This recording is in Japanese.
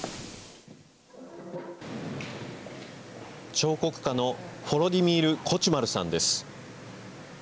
彫刻家のフォロディミール・コチュマルさんです。